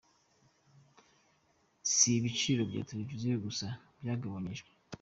Si ibiciro bya televiziyo gusa byagabanyijwe.